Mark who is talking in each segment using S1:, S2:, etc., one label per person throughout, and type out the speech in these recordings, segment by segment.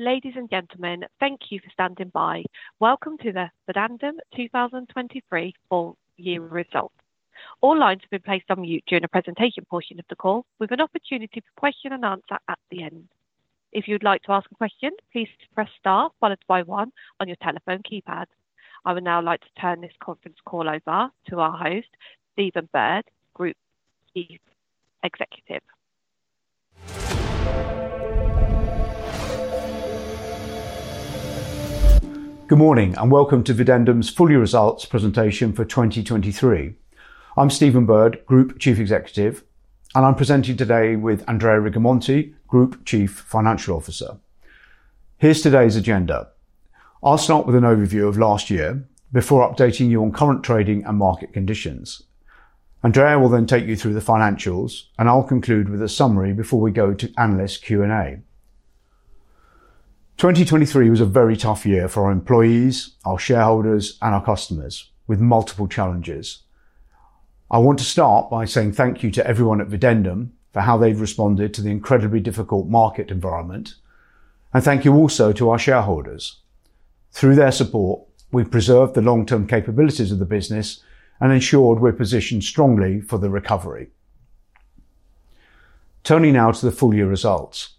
S1: Ladies and gentlemen, thank you for standing by. Welcome to the Videndum 2023 Full Year Results. All lines have been placed on mute during the presentation portion of the call, with an opportunity for question and answer at the end. If you would like to ask a question, please press star followed by one on your telephone keypad. I would now like to turn this conference call over to our host, Stephen Bird, Group Chief Executive.
S2: Good morning and welcome to Videndum's Full Year Results presentation for 2023. I'm Stephen Bird, Group Chief Executive, and I'm presenting today with Andrea Rigamonti, Group Chief Financial Officer. Here's today's agenda. I'll start with an overview of last year before updating you on current trading and market conditions. Andrea will then take you through the financials, and I'll conclude with a summary before we go to analyst Q&A. 2023 was a very tough year for our employees, our shareholders, and our customers, with multiple challenges. I want to start by saying thank you to everyone at Videndum for how they've responded to the incredibly difficult market environment, and thank you also to our shareholders. Through their support, we've preserved the long-term capabilities of the business and ensured we're positioned strongly for the recovery. Turning now to the Full Year Results.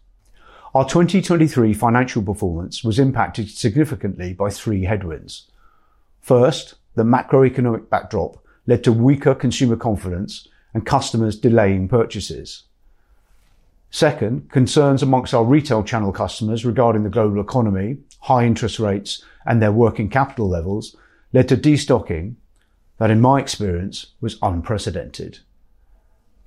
S2: Our 2023 financial performance was impacted significantly by three headwinds. First, the macroeconomic backdrop led to weaker consumer confidence and customers delaying purchases. Second, concerns among our retail channel customers regarding the global economy, high interest rates, and their working capital levels led to destocking that, in my experience, was unprecedented.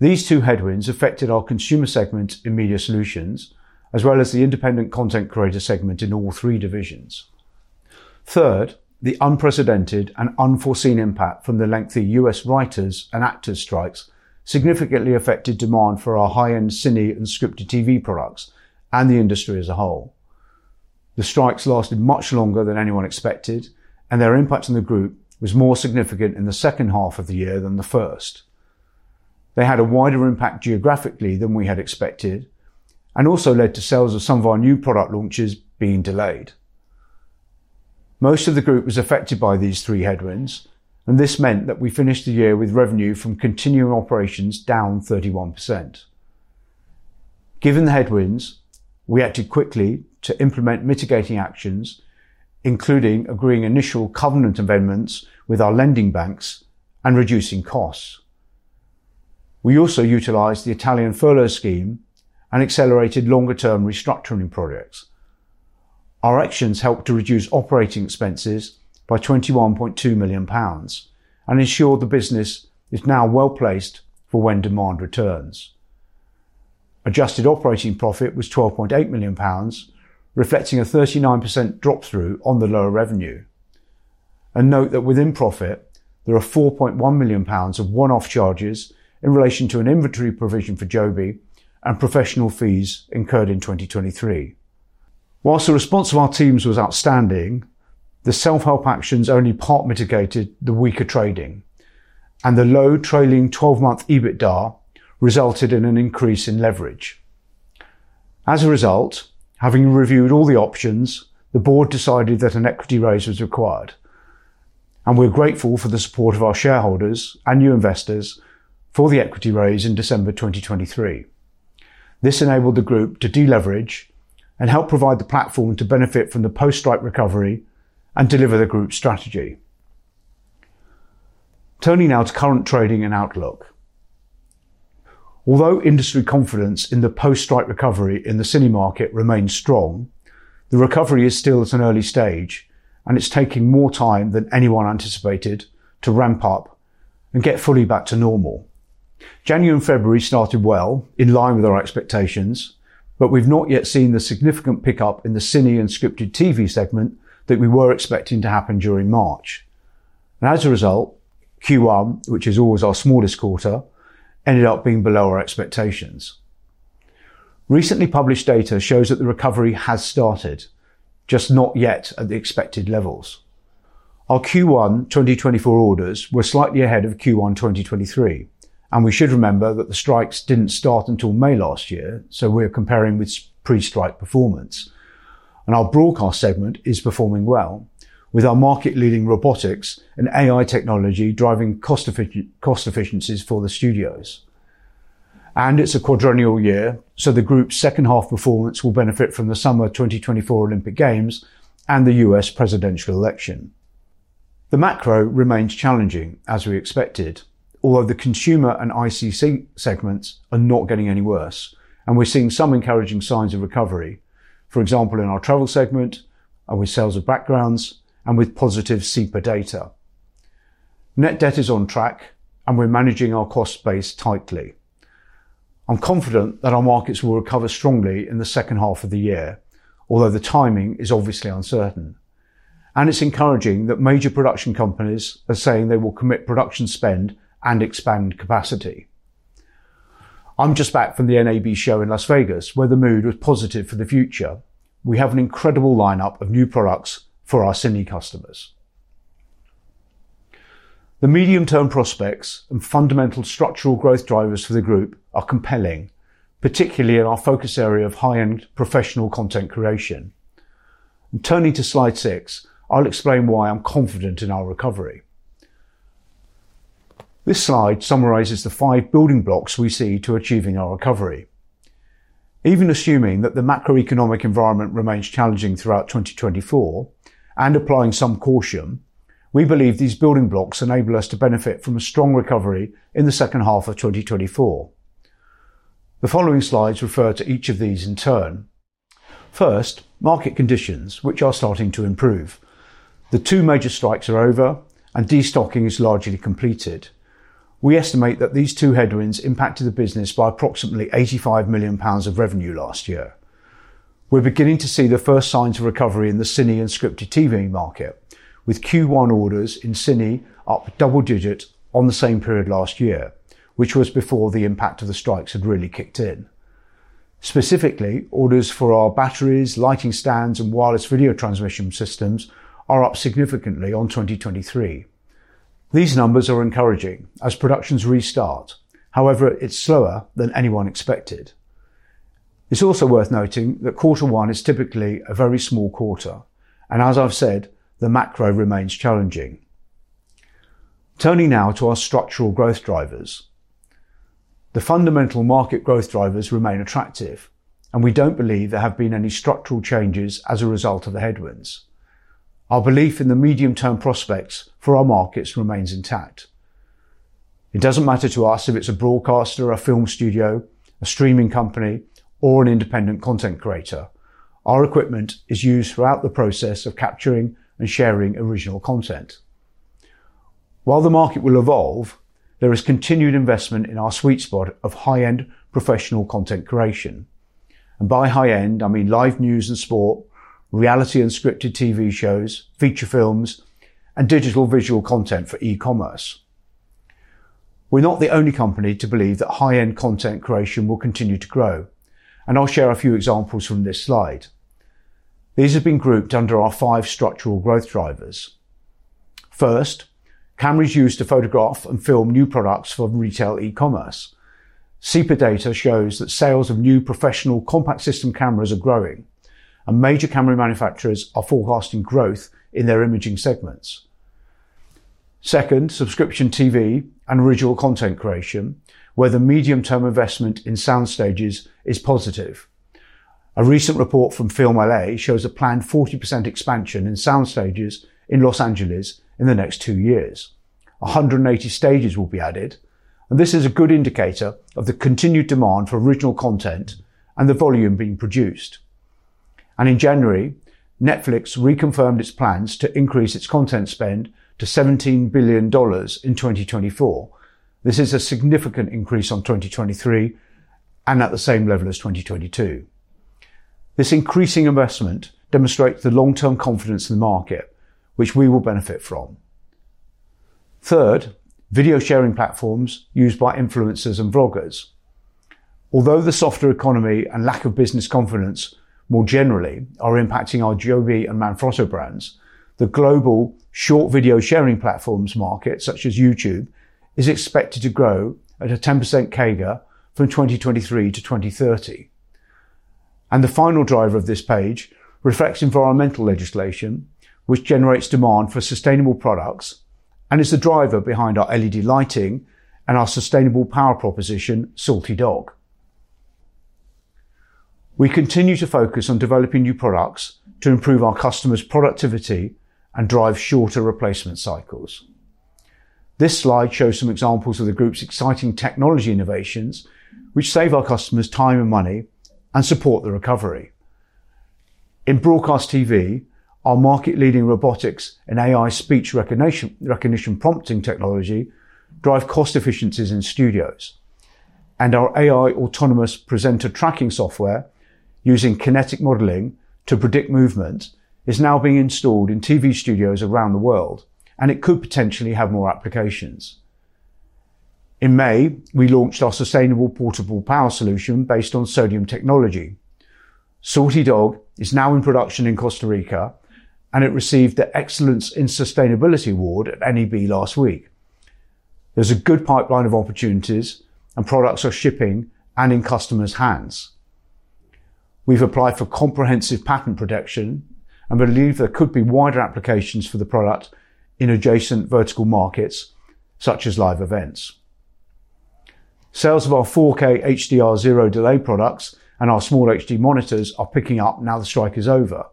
S2: These two headwinds affected our consumer segment Media Solutions as well as the independent content creator segment in all three divisions. Third, the unprecedented and unforeseen impact from the lengthy US writers' and actors' strikes significantly affected demand for our high-end cine and scripted TV products and the industry as a whole. The strikes lasted much longer than anyone expected, and their impact on the group was more significant in the second half of the year than the first. They had a wider impact geographically than we had expected and also led to sales of some of our new product launches being delayed. Most of the group was affected by these three headwinds, and this meant that we finished the year with revenue from continuing operations down 31%. Given the headwinds, we acted quickly to implement mitigating actions, including agreeing initial covenant amendments with our lending banks and reducing costs. We also utilized the Italian furlough scheme and accelerated longer-term restructuring projects. Our actions helped to reduce operating expenses by 21.2 million pounds and ensure the business is now well placed for when demand returns. Adjusted operating profit was 12.8 million pounds, reflecting a 39% drop-through on the lower revenue. Note that within profit, there are 4.1 million pounds of one-off charges in relation to an inventory provision for Joby and professional fees incurred in 2023. While the response of our teams was outstanding, the self-help actions only part mitigated the weaker trading, and the low trailing 12-month EBITDA resulted in an increase in leverage. As a result, having reviewed all the options, the board decided that an equity raise was required, and we're grateful for the support of our shareholders and new investors for the equity raise in December 2023. This enabled the group to de-leverage and help provide the platform to benefit from the post-strike recovery and deliver the group's strategy. Turning now to current trading and outlook. Although industry confidence in the post-strike recovery in the cine market remains strong, the recovery is still at an early stage, and it's taking more time than anyone anticipated to ramp up and get fully back to normal. January and February started well in line with our expectations, but we've not yet seen the significant pickup in the cine and scripted TV segment that we were expecting to happen during March. As a result, Q1, which is always our smallest quarter, ended up being below our expectations. Recently published data shows that the recovery has started, just not yet at the expected levels. Our Q1 2024 orders were slightly ahead of Q1 2023, and we should remember that the strikes didn't start until May last year, so we're comparing with pre-strike performance. Our broadcast segment is performing well, with our market-leading robotics and AI technology driving cost efficiencies for the studios. It's a quadrennial year, so the group's second-half performance will benefit from the Summer 2024 Olympic Games and the U.S. presidential election. The macro remains challenging as we expected, although the consumer and ICC segments are not getting any worse, and we're seeing some encouraging signs of recovery, for example, in our travel segment and with sales of backgrounds and with positive CIPA data. Net debt is on track, and we're managing our cost base tightly. I'm confident that our markets will recover strongly in the second half of the year, although the timing is obviously uncertain. It's encouraging that major production companies are saying they will commit production spend and expand capacity. I'm just back from the NAB show in Las Vegas, where the mood was positive for the future. We have an incredible lineup of new products for our cine customers. The medium-term prospects and fundamental structural growth drivers for the group are compelling, particularly in our focus area of high-end professional content creation. Turning to slide six, I'll explain why I'm confident in our recovery. This slide summarizes the five building blocks we see to achieving our recovery. Even assuming that the macroeconomic environment remains challenging throughout 2024 and applying some caution, we believe these building blocks enable us to benefit from a strong recovery in the second half of 2024. The following slides refer to each of these in turn. First, market conditions, which are starting to improve. The 2 major strikes are over, and destocking is largely completed. We estimate that these 2 headwinds impacted the business by approximately 85 million pounds of revenue last year. We're beginning to see the first signs of recovery in the cine and scripted TV market, with Q1 orders in cine up a double digit on the same period last year, which was before the impact of the strikes had really kicked in. Specifically, orders for our batteries, lighting stands, and wireless video transmission systems are up significantly on 2023. These numbers are encouraging as productions restart. However, it's slower than anyone expected. It's also worth noting that quarter one is typically a very small quarter, and as I've said, the macro remains challenging. Turning now to our structural growth drivers. The fundamental market growth drivers remain attractive, and we don't believe there have been any structural changes as a result of the headwinds. Our belief in the medium-term prospects for our markets remains intact. It doesn't matter to us if it's a broadcaster, a film studio, a streaming company, or an independent content creator. Our equipment is used throughout the process of capturing and sharing original content. While the market will evolve, there is continued investment in our sweet spot of high-end professional content creation. By high-end, I mean live news and sport, reality and scripted TV shows, feature films, and digital visual content for e-commerce. We're not the only company to believe that high-end content creation will continue to grow, and I'll share a few examples from this slide. These have been grouped under our five structural growth drivers. First, cameras used to photograph and film new products for retail e-commerce. CIPA data shows that sales of new professional compact system cameras are growing, and major camera manufacturers are forecasting growth in their imaging segments. Second, subscription TV and original content creation, where the medium-term investment in sound stages is positive. A recent report from FilmLA shows a planned 40% expansion in sound stages in Los Angeles in the next two years. 180 stages will be added, and this is a good indicator of the continued demand for original content and the volume being produced. In January, Netflix reconfirmed its plans to increase its content spend to $17 billion in 2024. This is a significant increase on 2023 and at the same level as 2022. This increasing investment demonstrates the long-term confidence in the market, which we will benefit from. Third, video sharing platforms used by influencers and vloggers. Although the softer economy and lack of business confidence more generally are impacting our Joby and Manfrotto brands, the global short video sharing platforms market, such as YouTube, is expected to grow at a 10% CAGR from 2023 to 2030. The final driver of this page reflects environmental legislation, which generates demand for sustainable products and is the driver behind our LED lighting and our sustainable power proposition, Salt-E Dog. We continue to focus on developing new products to improve our customers' productivity and drive shorter replacement cycles. This slide shows some examples of the group's exciting technology innovations, which save our customers time and money and support the recovery. In broadcast TV, our market-leading robotics and AI speech recognition prompting technology drive cost efficiencies in studios. And our AI autonomous presenter tracking software using kinetic modeling to predict movement is now being installed in TV studios around the world, and it could potentially have more applications. In May, we launched our sustainable portable power solution based on sodium technology. Salt-E Dog is now in production in Costa Rica, and it received the Excellence in Sustainability Award at NAB last week. There's a good pipeline of opportunities, and products are shipping and in customers' hands. We've applied for comprehensive patent protection and believe there could be wider applications for the product in adjacent vertical markets such as live events. Sales of our 4K HDR zero delay products and our SmallHD monitors are picking up now the strike is over,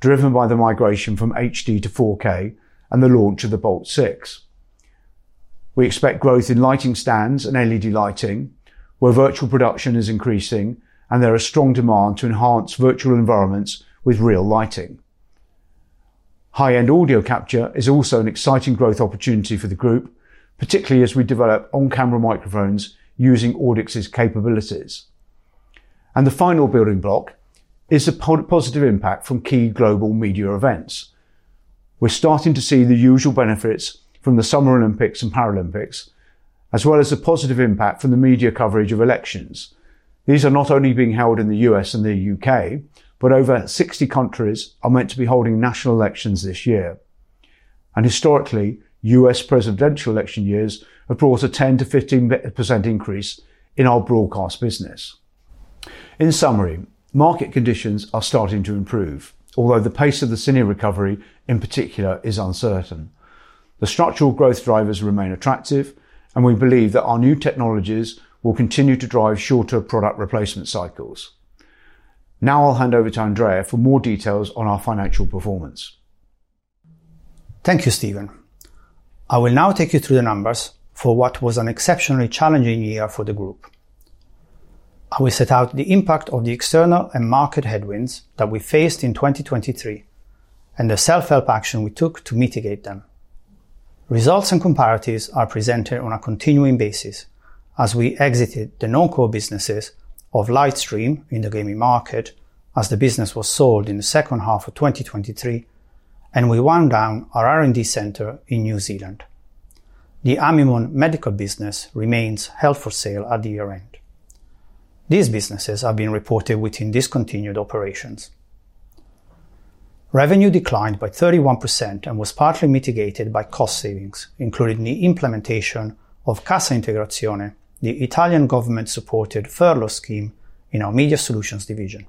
S2: driven by the migration from HD to 4K and the launch of the Bolt 6. We expect growth in lighting stands and LED lighting, where virtual production is increasing and there is strong demand to enhance virtual environments with real lighting. High-end audio capture is also an exciting growth opportunity for the group, particularly as we develop on-camera microphones using Audix's capabilities. The final building block is the positive impact from key global media events. We're starting to see the usual benefits from the Summer Olympics and Paralympics, as well as the positive impact from the media coverage of elections. These are not only being held in the U.S. and the U.K., but over 60 countries are meant to be holding national elections this year. And historically, U.S. presidential election years have brought a 10%-15% increase in our broadcast business. In summary, market conditions are starting to improve, although the pace of the cine recovery in particular is uncertain. The structural growth drivers remain attractive, and we believe that our new technologies will continue to drive shorter product replacement cycles. Now I'll hand over to Andrea for more details on our financial performance.
S3: Thank you, Stephen. I will now take you through the numbers for what was an exceptionally challenging year for the group. I will set out the impact of the external and market headwinds that we faced in 2023 and the self-help action we took to mitigate them. Results and comparatives are presented on a continuing basis as we exited the non-core businesses of Lightstream in the gaming market as the business was sold in the second half of 2023, and we wound down our R&D center in New Zealand. The Amimon medical business remains held for sale at the year-end. These businesses have been reported within discontinued operations. Revenue declined by 31% and was partly mitigated by cost savings, including the implementation of Cassa Integrazione, the Italian government-supported furlough scheme in Media Solutions division.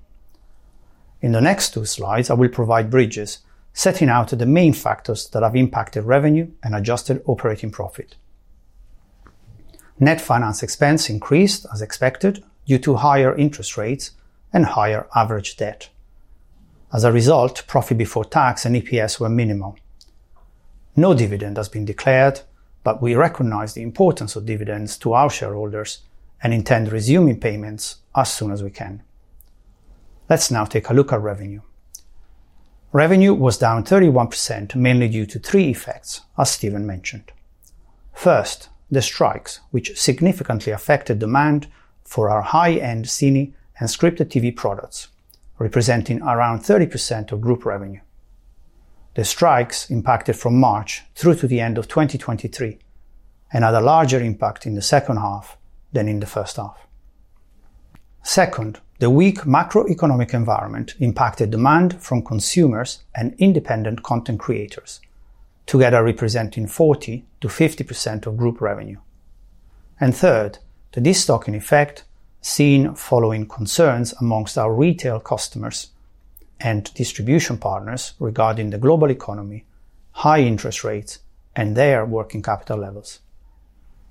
S3: In the next two slides, I will provide bridges setting out the main factors that have impacted revenue and adjusted operating profit. Net finance expense increased as expected due to higher interest rates and higher average debt. As a result, profit before tax and EPS were minimum. No dividend has been declared, but we recognize the importance of dividends to our shareholders and intend resuming payments as soon as we can. Let's now take a look at revenue. Revenue was down 31% mainly due to three effects, as Stephen mentioned. First, the strikes, which significantly affected demand for our high-end cine and scripted TV products, representing around 30% of group revenue. The strikes impacted from March through to the end of 2023 and had a larger impact in the second half than in the first half. Second, the weak macroeconomic environment impacted demand from consumers and independent content creators, together representing 40%-50% of group revenue. And third, the destocking effect seen following concerns among our retail customers and distribution partners regarding the global economy, high interest rates, and their working capital levels.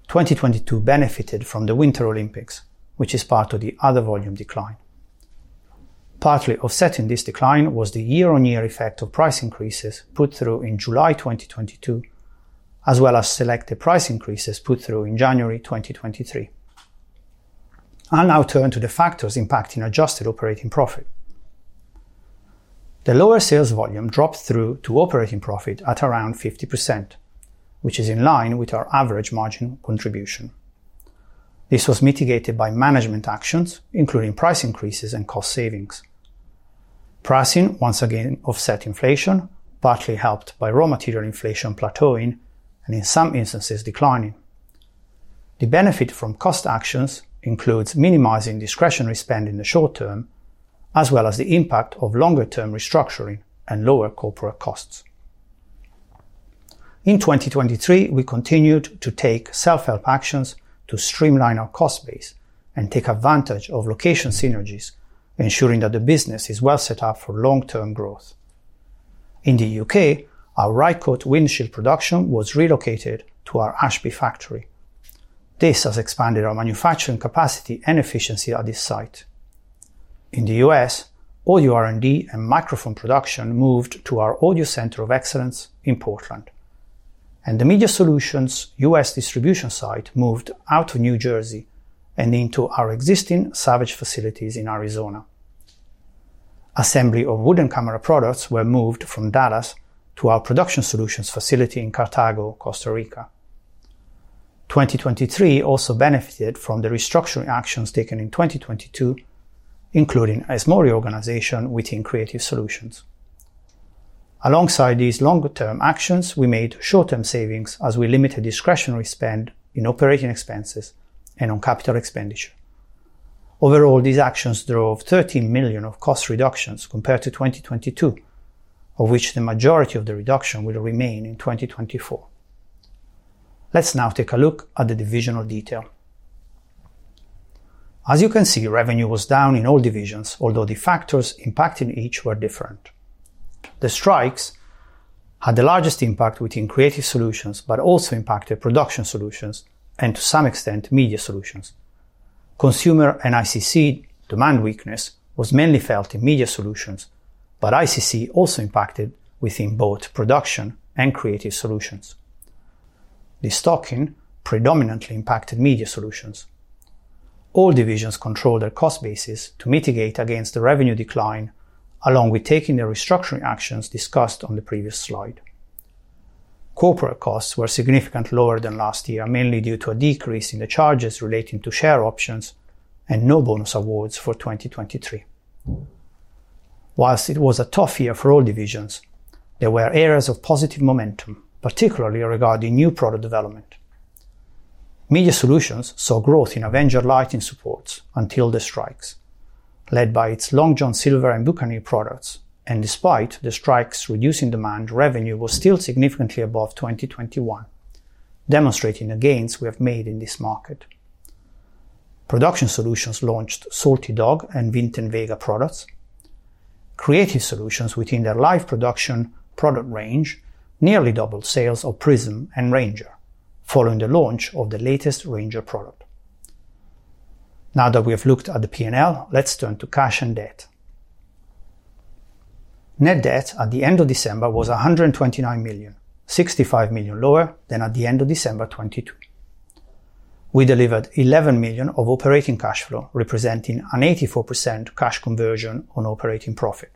S3: 2022 benefited from the Winter Olympics, which is part of the other volume decline. Partly offsetting this decline was the year-on-year effect of price increases put through in July 2022, as well as selected price increases put through in January 2023. I'll now turn to the factors impacting adjusted operating profit. The lower sales volume dropped through to operating profit at around 50%, which is in line with our average margin contribution. This was mitigated by management actions, including price increases and cost savings. Pricing, once again, offset inflation, partly helped by raw material inflation plateauing and in some instances declining. The benefit from cost actions includes minimizing discretionary spend in the short term, as well as the impact of longer-term restructuring and lower corporate costs. In 2023, we continued to take self-help actions to streamline our cost base and take advantage of location synergies, ensuring that the business is well set up for long-term growth. In the U.K., our Rycote windshield production was relocated to our Ashby factory. This has expanded our manufacturing capacity and efficiency at this site. In the U.S., audio R&D and microphone production moved to our Audio Centre of Excellence in Portland. The Media Solutions U.S. distribution site moved out of New Jersey and into our existing Savage facilities in Arizona. Assembly of Wooden Camera products were moved from Dallas to our Production Solutions facility in Cartago, Costa Rica. 2023 also benefited from the restructuring actions taken in 2022, including a smaller organization within Creative Solutions. Alongside these longer-term actions, we made short-term savings as we limited discretionary spend in operating expenses and on capital expenditure. Overall, these actions drove 13 million of cost reductions compared to 2022, of which the majority of the reduction will remain in 2024. Let's now take a look at the divisional detail. As you can see, revenue was down in all divisions, although the factors impacting each were different. The strikes had the largest impact within Creative Solutions, but also impacted Production Solutions and, to some extent, Media Solutions. Consumer and ICC demand weakness was mainly felt in Media Solutions, but ICC also impacted within both production and Creative Solutions. Destocking predominantly impacted Media Solutions. All divisions controlled their cost bases to mitigate against the revenue decline, along with taking the restructuring actions discussed on the previous slide. Corporate costs were significantly lower than last year, mainly due to a decrease in the charges relating to share options and no bonus awards for 2023. While it was a tough year for all divisions, there were areas of positive momentum, particularly regarding new product development. Media Solutions saw growth in Avenger lighting supports until the strikes, led by its Long John Silver and Buccaneer products. And despite the strikes reducing demand, revenue was still significantly above 2021, demonstrating the gains we have made in this market. Production Solutions launched Salt-E Dog and Vinten Vega products. Creative Solutions, within their live production product range, nearly doubled sales of Prism and Ranger, following the launch of the latest Ranger product. Now that we have looked at the P&L, let's turn to cash and debt. Net debt at the end of December was 129 million, 65 million lower than at the end of December 2022. We delivered 11 million of operating cash flow, representing an 84% cash conversion on operating profit.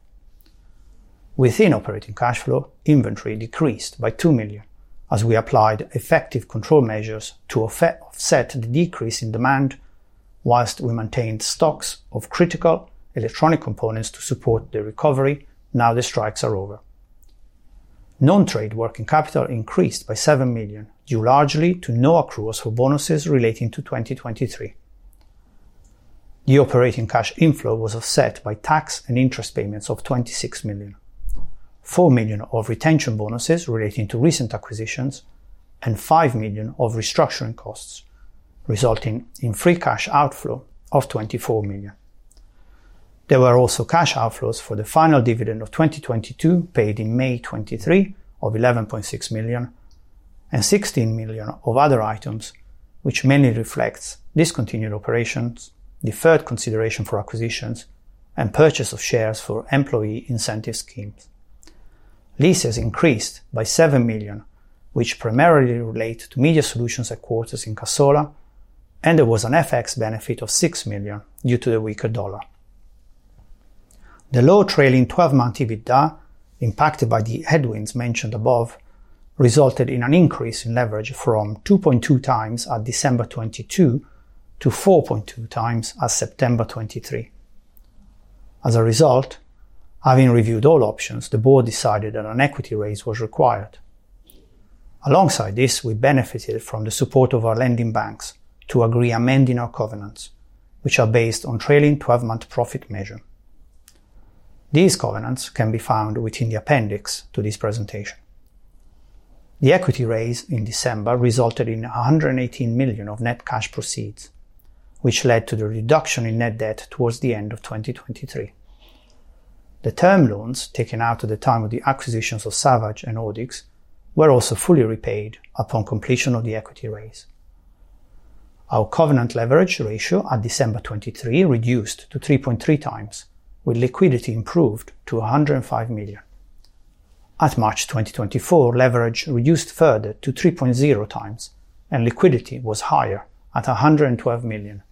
S3: Within operating cash flow, inventory decreased by 2 million as we applied effective control measures to offset the decrease in demand while we maintained stocks of critical electronic components to support the recovery. Now the strikes are over. Non-trade working capital increased by 7 million due largely to no accruals for bonuses relating to 2023. The operating cash inflow was offset by tax and interest payments of 26 million, 4 million of retention bonuses relating to recent acquisitions, and 5 million of restructuring costs, resulting in free cash outflow of 24 million. There were also cash outflows for the final dividend of 2022 paid in May 2023 of 11.6 million and 16 million of other items, which mainly reflects discontinued operations, deferred consideration for acquisitions, and purchase of shares for employee incentive schemes. Leases increased by 7 million, which primarily relate to Media Solutions headquarters in Cassola, and there was an FX benefit of 6 million due to the weaker US dollar. The low trailing 12-month EBITDA, impacted by the headwinds mentioned above, resulted in an increase in leverage from 2.2x at December 2022 to 4.2x at September 2023. As a result, having reviewed all options, the board decided that an equity raise was required. Alongside this, we benefited from the support of our lending banks to agree amending our covenants, which are based on trailing 12-month profit measure. These covenants can be found within the appendix to this presentation. The equity raise in December resulted in 118 million of net cash proceeds, which led to the reduction in net debt towards the end of 2023. The term loans taken out at the time of the acquisitions of Savage and Audix were also fully repaid upon completion of the equity raise. Our covenant leverage ratio at December 2023 reduced to 3.3 times, with liquidity improved to 105 million. At March 2024, leverage reduced further to 3.0 times, and liquidity was higher at 112 million,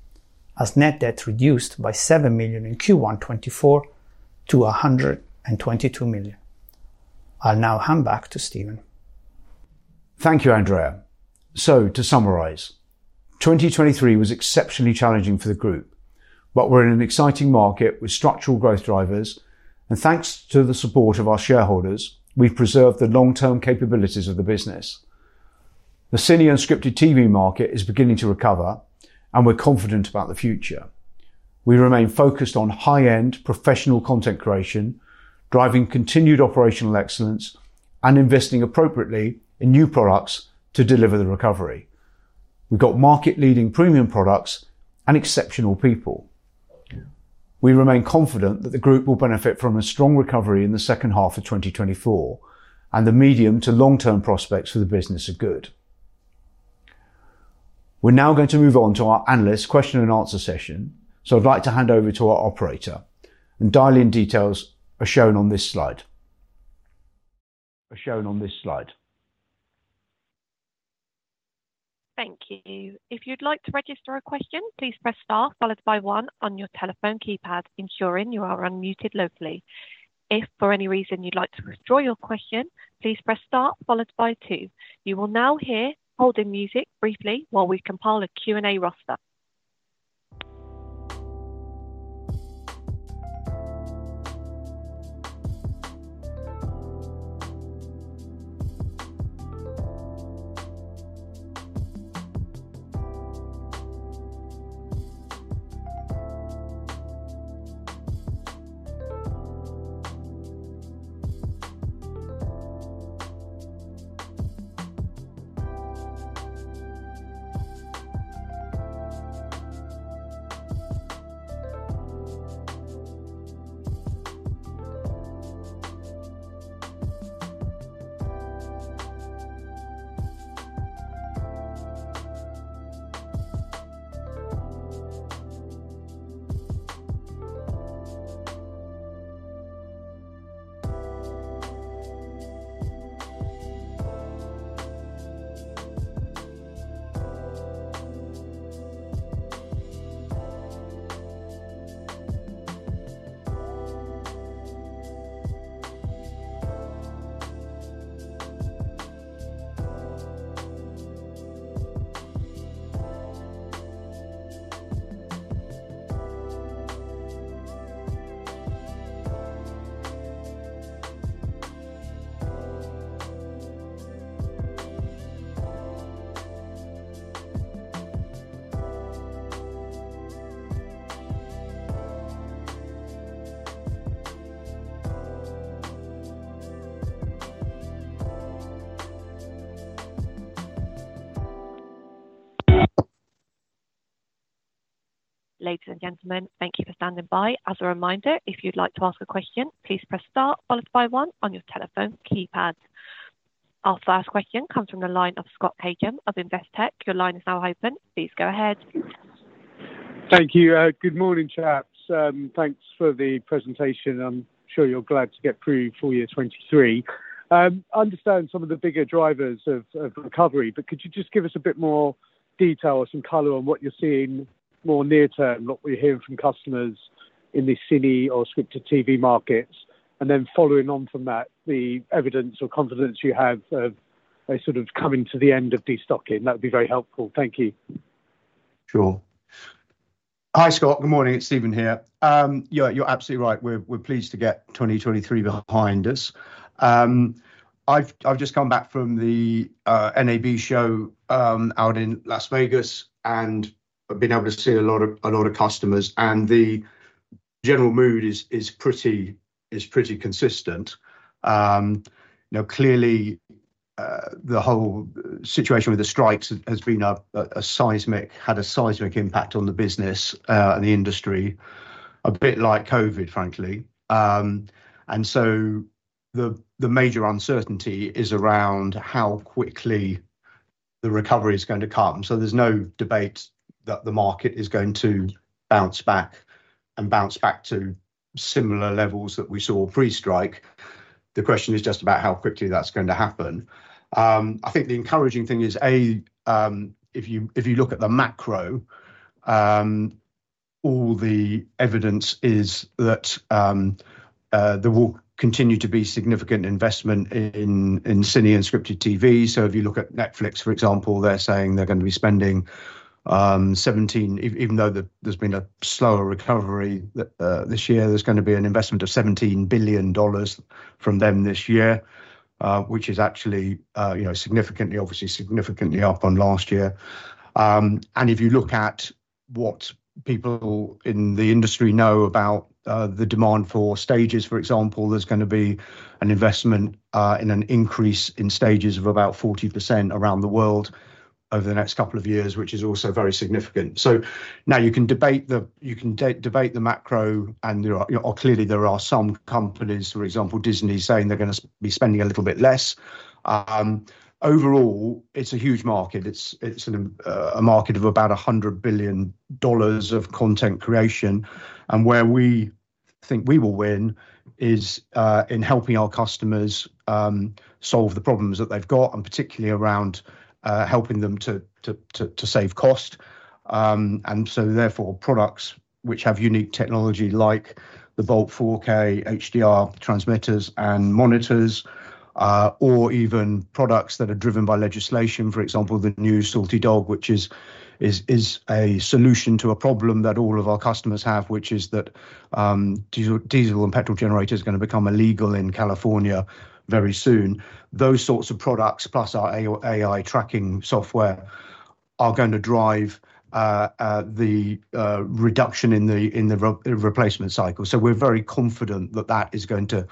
S3: as net debt reduced by 7 million in Q1 2024 to 122 million. I'll now hand back to Stephen.
S2: Thank you, Andrea. So, to summarize, 2023 was exceptionally challenging for the group, but we're in an exciting market with structural growth drivers, and thanks to the support of our shareholders, we've preserved the long-term capabilities of the business. The Cine and scripted TV market is beginning to recover, and we're confident about the future. We remain focused on high-end professional content creation, driving continued operational excellence, and investing appropriately in new products to deliver the recovery. We've got market-leading premium products and exceptional people. We remain confident that the group will benefit from a strong recovery in the second half of 2024, and the medium to long-term prospects for the business are good. We're now going to move on to our analysts' question-and-answer session, so I'd like to hand over to our operator, and dial-in details are shown on this slide. Are shown on this slide.
S1: Thank you. If you'd like to register a question, please press star followed by one on your telephone keypad, ensuring you are unmuted locally. If, for any reason, you'd like to withdraw your question, please press star followed by two. You will now hear holding music briefly while we compile a Q&A roster. Ladies and gentlemen, thank you for standing by. As a reminder, if you'd like to ask a question, please press star followed by one on your telephone keypad. Our first question comes from the line of Scott Cagehin of Investec. Your line is now open. Please go ahead.
S4: Thank you. Good morning, chaps. Thanks for the presentation. I'm sure you're glad to get through for year 2023. I understand some of the bigger drivers of recovery, but could you just give us a bit more detail or some color on what you're seeing more near-term, what we're hearing from customers in the cine or scripted TV markets, and then following on from that, the evidence or confidence you have of sort of coming to the end of destocking? That would be very helpful. Thank you.
S2: Sure. Hi, Scott. Good morning. It's Stephen here. You're absolutely right. We're pleased to get 2023 behind us. I've just come back from the NAB Show out in Las Vegas and been able to see a lot of customers. The general mood is pretty consistent. Clearly, the whole situation with the strikes has had a seismic impact on the business and the industry, a bit like COVID, frankly. And so the major uncertainty is around how quickly the recovery is going to come. So there's no debate that the market is going to bounce back and bounce back to similar levels that we saw pre-strike. The question is just about how quickly that's going to happen. I think the encouraging thing is, A, if you look at the macro, all the evidence is that there will continue to be significant investment in cine and scripted TV. So if you look at Netflix, for example, they're saying they're going to be spending $17 billion even though there's been a slower recovery this year. There's going to be an investment of $17 billion from them this year, which is actually significantly, obviously significantly up on last year. And if you look at what people in the industry know about the demand for stages, for example, there's going to be an investment in an increase in stages of about 40% around the world over the next couple of years, which is also very significant. So now you can debate the macro, and clearly, there are some companies, for example, Disney, saying they're going to be spending a little bit less. Overall, it's a huge market. It's a market of about $100 billion of content creation. Where we think we will win is in helping our customers solve the problems that they've got, and particularly around helping them to save cost. So therefore, products which have unique technology like the Bolt 4K HDR transmitters and monitors, or even products that are driven by legislation, for example, the new Salt-E Dog, which is a solution to a problem that all of our customers have, which is that diesel and petrol generators are going to become illegal in California very soon. Those sorts of products, plus our AI tracking software, are going to drive the reduction in the replacement cycle. So we're very confident that that is going to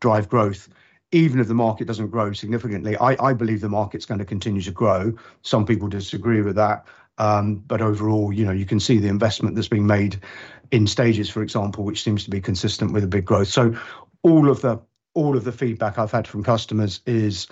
S2: drive growth, even if the market doesn't grow significantly. I believe the market's going to continue to grow. Some people disagree with that. But overall, you can see the investment that's being made in stages, for example, which seems to be consistent with a big growth. So all of the feedback I've had from customers is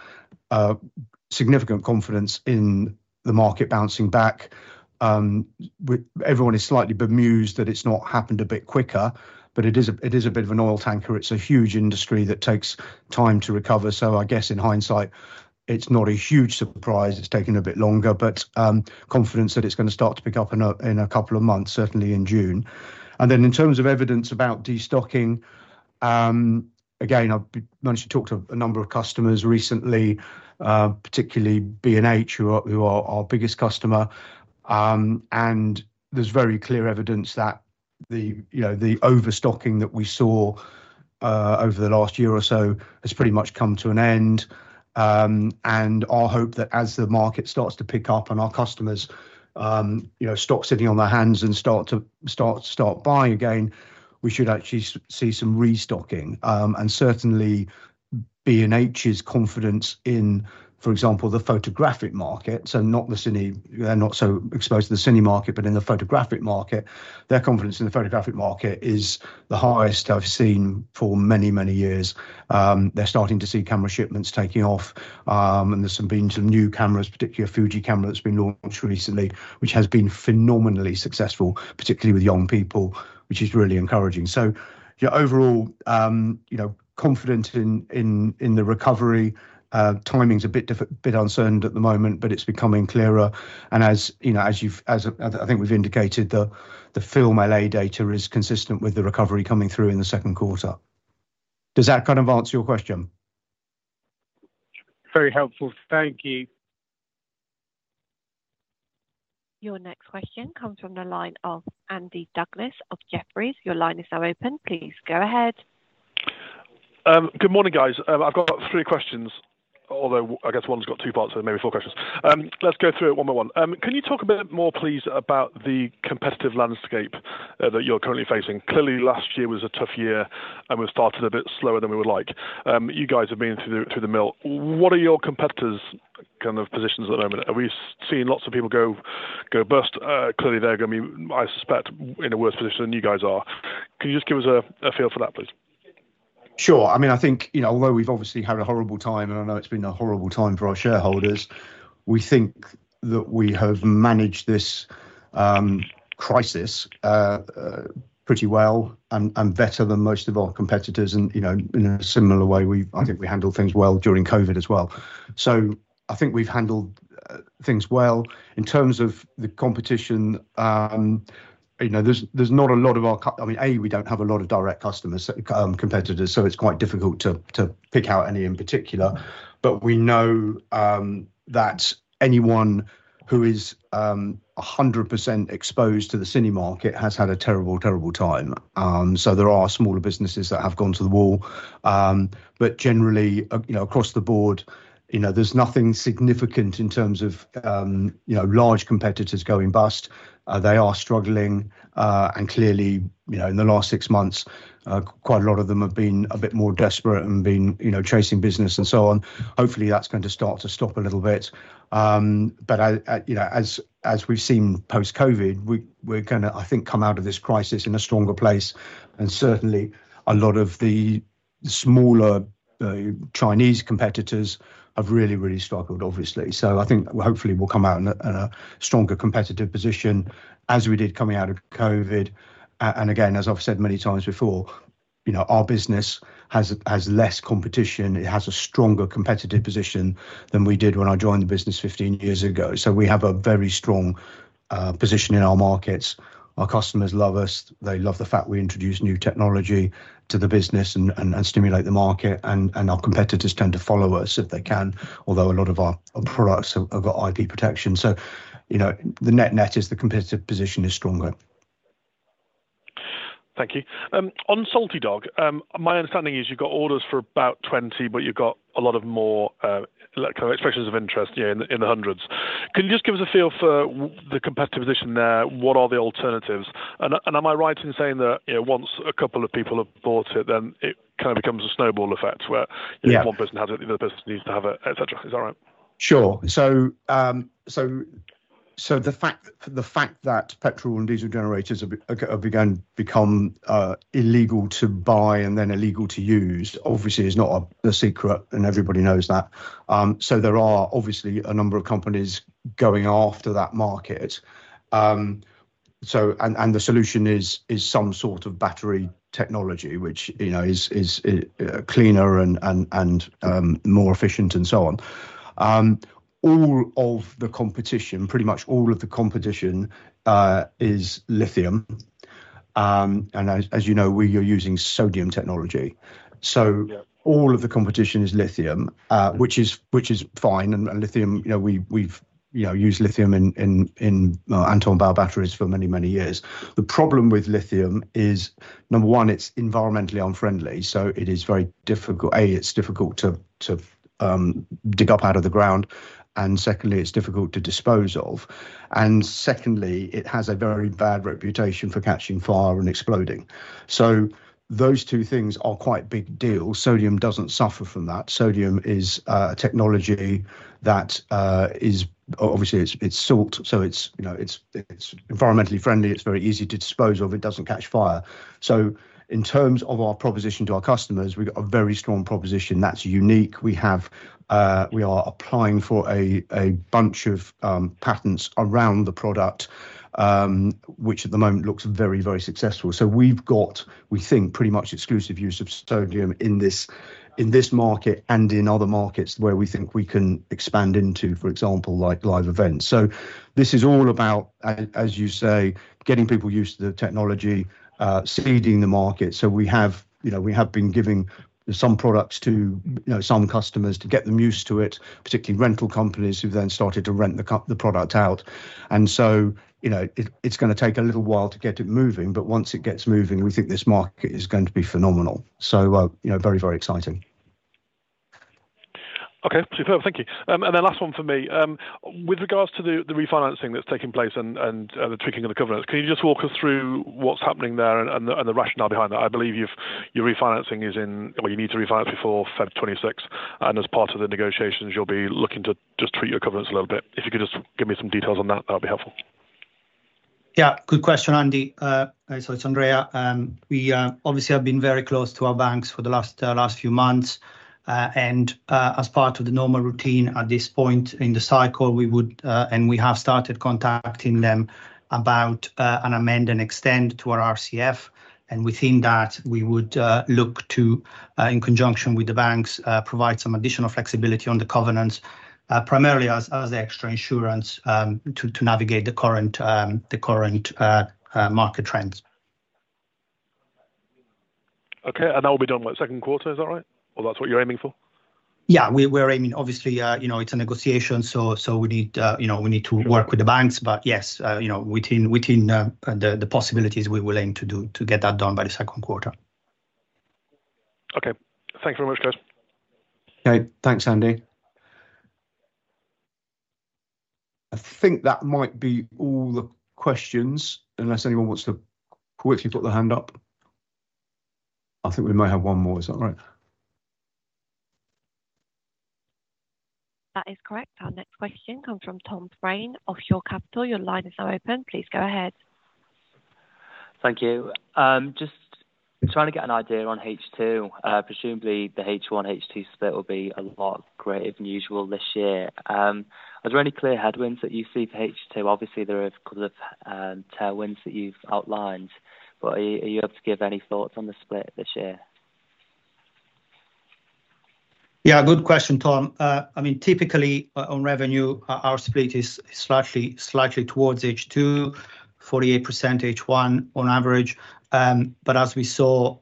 S2: significant confidence in the market bouncing back. Everyone is slightly bemused that it's not happened a bit quicker, but it is a bit of an oil tanker. It's a huge industry that takes time to recover. So I guess in hindsight, it's not a huge surprise. It's taken a bit longer, but confidence that it's going to start to pick up in a couple of months, certainly in June. And then in terms of evidence about destocking, again, I've managed to talk to a number of customers recently, particularly B&H, who are our biggest customer. There's very clear evidence that the overstocking that we saw over the last year or so has pretty much come to an end. Our hope that as the market starts to pick up and our customers' stocks sitting on their hands and start to buy again, we should actually see some restocking. Certainly, B&H's confidence in, for example, the photographic market, so not the cine they're not so exposed to the cine market, but in the photographic market, their confidence in the photographic market is the highest I've seen for many, many years. They're starting to see camera shipments taking off, and there's been some new cameras, particularly a Fuji camera that's been launched recently, which has been phenomenally successful, particularly with young people, which is really encouraging. Overall, confident in the recovery. Timing's a bit uncertain at the moment, but it's becoming clearer. And as you've I think we've indicated, the FilmLA data is consistent with the recovery coming through in the second quarter. Does that kind of answer your question?
S4: Very helpful. Thank you.
S1: Your next question comes from the line of Andrew Douglas of Jefferies. Your line is now open. Please go ahead.
S3: Good morning, guys. I've got three questions, although I guess one's got two parts, so maybe four questions. Let's go through it one by one. Can you talk a bit more, please, about the competitive landscape that you're currently facing? Clearly, last year was a tough year, and we've started a bit slower than we would like. You guys have been through the mill. What are your competitors' kind of positions at the moment? Are we seeing lots of people go bust? Clearly, they're going to be, I suspect, in a worse position than you guys are. Can you just give us a feel for that, please?
S2: Sure. I mean, I think although we've obviously had a horrible time, and I know it's been a horrible time for our shareholders, we think that we have managed this crisis pretty well and better than most of our competitors. In a similar way, I think we handled things well during COVID as well. So I think we've handled things well. In terms of the competition, there's not a lot of our. I mean, a, we don't have a lot of direct customers, competitors, so it's quite difficult to pick out any in particular. But we know that anyone who is 100% exposed to the Cine market has had a terrible, terrible time. So there are smaller businesses that have gone to the wall. But generally, across the board, there's nothing significant in terms of large competitors going bust. They are struggling. And clearly, in the last six months, quite a lot of them have been a bit more desperate and been chasing business and so on. Hopefully, that's going to start to stop a little bit. But as we've seen post-COVID, we're going to, I think, come out of this crisis in a stronger place. And certainly, a lot of the smaller Chinese competitors have really, really struggled, obviously. So I think hopefully, we'll come out in a stronger competitive position as we did coming out of COVID. And again, as I've said many times before, our business has less competition. It has a stronger competitive position than we did when I joined the business 15 years ago. So we have a very strong position in our markets. Our customers love us. They love the fact we introduce new technology to the business and stimulate the market. Our competitors tend to follow us if they can, although a lot of our products have got IP protection. The net-net is the competitive position is stronger.
S3: Thank you. On Salt-E Dog, my understanding is you've got orders for about 20, but you've got a lot more kind of expressions of interest in the hundreds. Can you just give us a feel for the competitive position there? What are the alternatives? And am I right in saying that once a couple of people have bought it, then it kind of becomes a snowball effect where one person has it, the other person needs to have it, etc.? Is that right?
S2: Sure. So the fact that petrol and diesel generators are going to become illegal to buy and then illegal to use, obviously, is not a secret, and everybody knows that. So there are obviously a number of companies going after that market. And the solution is some sort of battery technology, which is cleaner and more efficient and so on. All of the competition, pretty much all of the competition, is lithium. And as you know, we are using sodium technology. So all of the competition is lithium, which is fine. And lithium, we've used lithium in Anton/Bauer batteries for many, many years. The problem with lithium is, number one, it's environmentally unfriendly. So it is very difficult. A, it's difficult to dig up out of the ground. And secondly, it's difficult to dispose of. And secondly, it has a very bad reputation for catching fire and exploding. So those two things are quite big deals. Sodium doesn't suffer from that. Sodium is a technology that is obviously, it's salt. So it's environmentally friendly. It's very easy to dispose of. It doesn't catch fire. So in terms of our proposition to our customers, we've got a very strong proposition that's unique. We are applying for a bunch of patents around the product, which at the moment looks very, very successful. So we've got, we think, pretty much exclusive use of sodium in this market and in other markets where we think we can expand into, for example, live events. So this is all about, as you say, getting people used to the technology, seeding the market. So we have been giving some products to some customers to get them used to it, particularly rental companies who've then started to rent the product out. And so it's going to take a little while to get it moving. But once it gets moving, we think this market is going to be phenomenal. So very, very exciting.
S3: Okay. Superb. Thank you. And then last one for me. With regards to the refinancing that's taking place and the tweaking of the covenants, can you just walk us through what's happening there and the rationale behind that? I believe your refinancing is in or you need to refinance before February 26. And as part of the negotiations, you'll be looking to just tweak your covenants a little bit. If you could just give me some details on that, that would be helpful.
S5: Yeah. Good question, Andy. So it's Andrea. We obviously have been very close to our banks for the last few months. And as part of the normal routine at this point in the cycle, we would and we have started contacting them about an amend and extend to our RCF. And within that, we would look to, in conjunction with the banks, provide some additional flexibility on the covenants, primarily as the extra insurance to navigate the current market trends.
S3: Okay. That will be done in the second quarter. Is that right? Or that's what you're aiming for?
S5: Yeah. We're aiming obviously, it's a negotiation. So we need to work with the banks. But yes, within the possibilities, we will aim to get that done by the second quarter.
S3: Okay. Thanks very much, guys.
S5: Okay. Thanks, Andy. I think that might be all the questions unless anyone wants to quickly put their hand up. I think we may have one more. Is that right?
S1: That is correct. Our next question comes from Tom Fraine, Shore Capital. Your line is now open. Please go ahead.
S6: Thank you. Just trying to get an idea on H2. Presumably, the H1/H2 split will be a lot greater than usual this year. Are there any clear headwinds that you see for H2? Obviously, there are a couple of tailwinds that you've outlined. But are you able to give any thoughts on the split this year?
S5: Yeah. Good question, Tom. I mean, typically, on revenue, our split is slightly towards H2, 48% H1 on average. But as we saw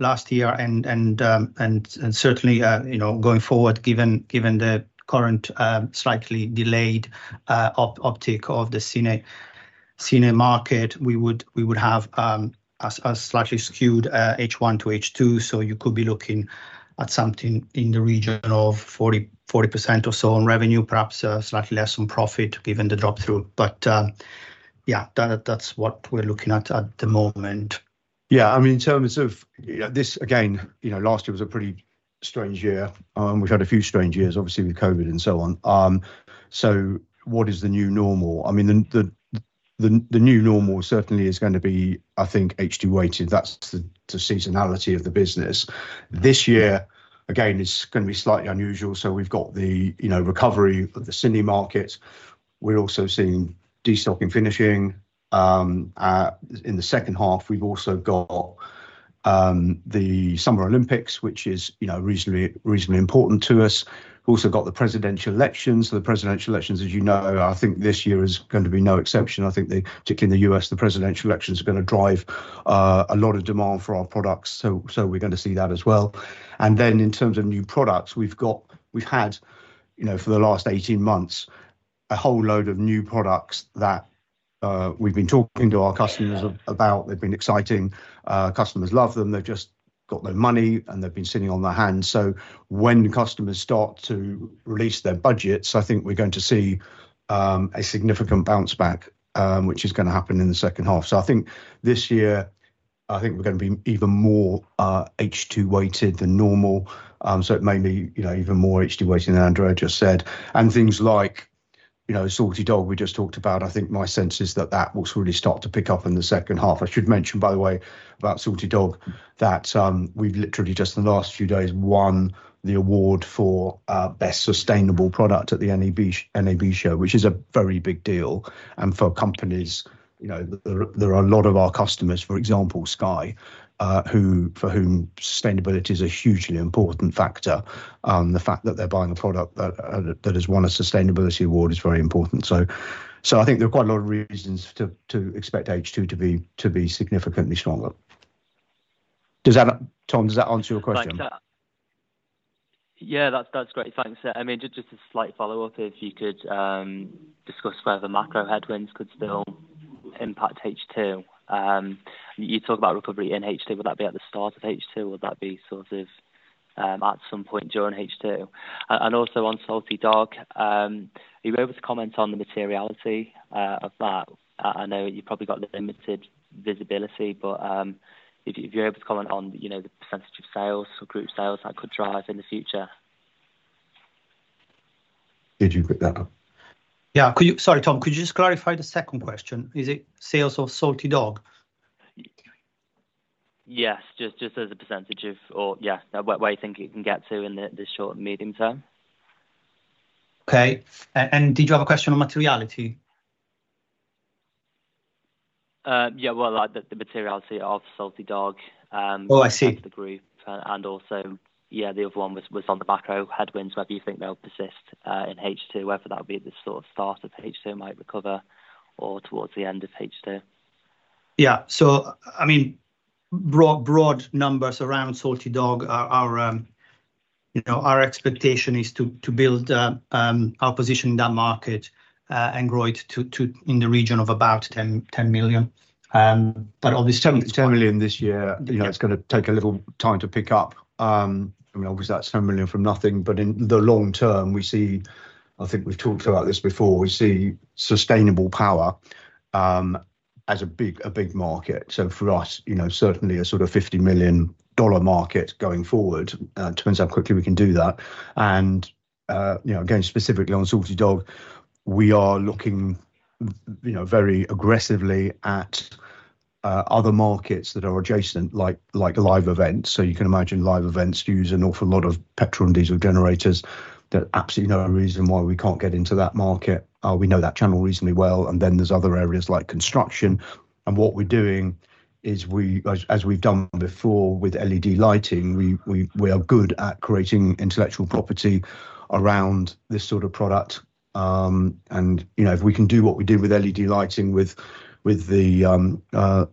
S5: last year and certainly going forward, given the current slightly delayed optic of the cine market, we would have a slightly skewed H1 to H2. So you could be looking at something in the region of 40% or so on revenue, perhaps slightly less on profit given the dropthrough. But yeah, that's what we're looking at at the moment.
S2: Yeah. I mean, in terms of this, again, last year was a pretty strange year. We've had a few strange years, obviously, with COVID and so on. So what is the new normal? I mean, the new normal certainly is going to be, I think, H2-weighted. That's the seasonality of the business. This year, again, is going to be slightly unusual. So we've got the recovery of the cine market. We're also seeing destocking finishing. In the second half, we've also got the Summer Olympics, which is reasonably important to us. We've also got the presidential elections. So the presidential elections, as you know, I think this year is going to be no exception. I think, particularly in the U.S., the presidential elections are going to drive a lot of demand for our products. So we're going to see that as well. And then in terms of new products, we've had, for the last 18 months, a whole load of new products that we've been talking to our customers about. They've been exciting. Customers love them. They've just got no money, and they've been sitting on their hands. So when customers start to release their budgets, I think we're going to see a significant bounce back, which is going to happen in the second half. So I think this year, I think we're going to be even more H2-weighted than normal. So it may be even more H2-weighted than Andrea just said. And things like Salt-E Dog we just talked about, I think my sense is that that will really start to pick up in the second half. I should mention, by the way, about Salt-E Dog, that we've literally just in the last few days won the award for Best Sustainable Product at the NAB Show, which is a very big deal. And for companies, there are a lot of our customers, for example, Sky, for whom sustainability is a hugely important factor. The fact that they're buying a product that has won a sustainability award is very important. So I think there are quite a lot of reasons to expect H2 to be significantly stronger. Tom, does that answer your question?
S6: Yeah. That's great. Thanks. I mean, just a slight follow-up, if you could discuss whether macro headwinds could still impact H2. You talk about recovery in H2. Would that be at the start of H2, or would that be sort of at some point during H2? And also on Salt-E Dog, are you able to comment on the materiality of that? I know you've probably got limited visibility. But if you're able to comment on the percentage of sales or group sales that could drive in the future.
S2: Did you bring that up?
S5: Yeah. Sorry, Tom. Could you just clarify the second question? Is it sales of Salt-E Dog?
S6: Yes. Just as a percentage of, yeah, where you think it can get to in the short and medium term?
S5: Okay. Did you have a question on materiality?
S6: Yeah. Well, the materiality of Salt-E Dog, of the group, and also, yeah, the other one was on the macro headwinds, whether you think they'll persist in H2, whether that would be at the sort of start of H2, might recover, or towards the end of H2.
S5: Yeah. So I mean, broad numbers around Salt-E Dog, our expectation is to build our position in that market and grow it in the region of about 10 million. But obviously.
S2: $10 million this year, it's going to take a little time to pick up. I mean, obviously, that's $10 million from nothing. But in the long term, we see I think we've talked about this before. We see sustainable power as a big market. So for us, certainly a sort of $50 million market going forward. It turns out quickly we can do that. And again, specifically on Salt-E Dog, we are looking very aggressively at other markets that are adjacent, like live events. So you can imagine live events use an awful lot of petrol and diesel generators. There's absolutely no reason why we can't get into that market. We know that channel reasonably well. And then there's other areas like construction. And what we're doing is, as we've done before with LED lighting, we are good at creating intellectual property around this sort of product. And if we can do what we do with LED lighting with the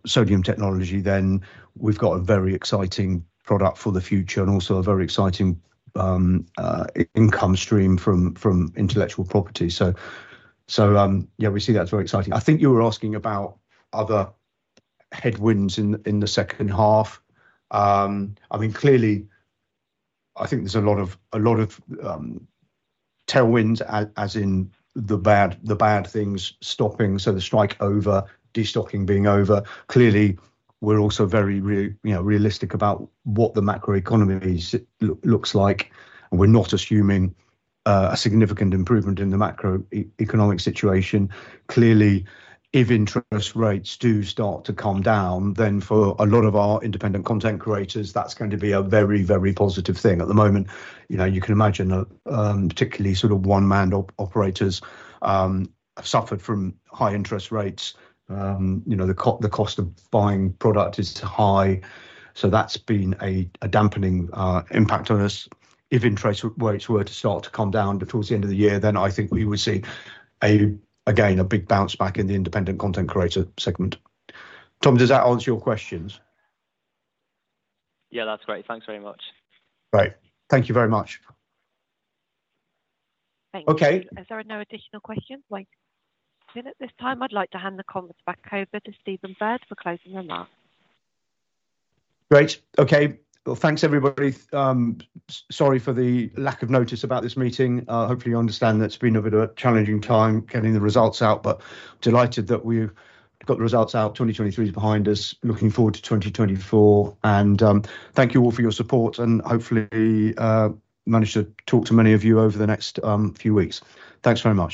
S2: sodium technology, then we've got a very exciting product for the future and also a very exciting income stream from intellectual property. So yeah, we see that's very exciting. I think you were asking about other headwinds in the second half. I mean, clearly, I think there's a lot of tailwinds, as in the bad things stopping. So the strike over, destocking being over. Clearly, we're also very realistic about what the macroeconomy looks like. And we're not assuming a significant improvement in the macroeconomic situation. Clearly, if interest rates do start to come down, then for a lot of our independent content creators, that's going to be a very, very positive thing. At the moment, you can imagine, particularly sort of one-man operators have suffered from high interest rates. The cost of buying product is high. So that's been a dampening impact on us. If interest rates were to start to come down towards the end of the year, then I think we would see, again, a big bounce back in the independent content creator segment. Tom, does that answer your questions?
S6: Yeah. That's great. Thanks very much.
S2: Great. Thank you very much.
S1: Thank you.
S2: Okay.
S1: I have no additional questions. Waiting a minute this time, I'd like to hand the comments back over to Stephen Bird for closing remarks.
S2: Great. Okay. Well, thanks, everybody. Sorry for the lack of notice about this meeting. Hopefully, you understand that it's been a bit of a challenging time getting the results out. But delighted that we've got the results out. 2023 is behind us. Looking forward to 2024. Thank you all for your support and hopefully manage to talk to many of you over the next few weeks. Thanks very much.